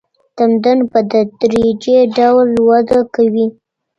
تمدن په تدریجي ډول وده کوي.